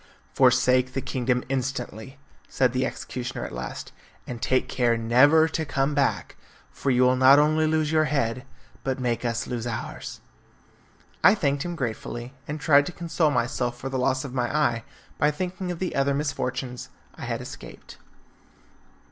"Forsake the kingdom instantly," said the executioner at last, "and take care never to come back, for you will not only lose your head, but make us lose ours." I thanked him gratefully, and tried to console myself for the loss of my eye by thinking of the other misfortunes I had escaped.